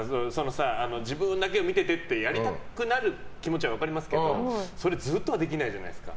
自分だけを見ててってやりたくなる気持ちは分かりますけどずっとはできないじゃないですか。